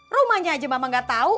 rumahnya aja mama gak tahu